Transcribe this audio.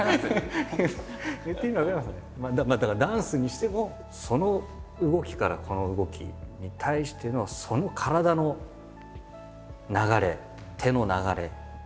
だからダンスにしてもその動きからこの動きに対してのその体の流れ手の流れ